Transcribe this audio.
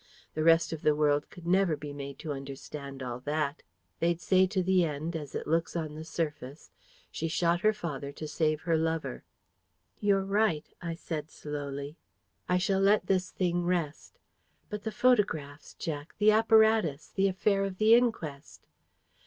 The rest of the world could never be made to understand all that. They'd say to the end, as it looks on the surface, 'She shot her father to save her lover.'" "You're right," I said slowly. "I shall let this thing rest. But the photographs, Jack the apparatus the affair of the inquest?"